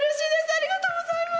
ありがとうございます。